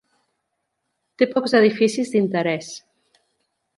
Té pocs edificis d'interès.